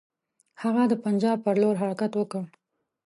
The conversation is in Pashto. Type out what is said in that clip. هغه د پنجاب پر لور حرکت وکړ.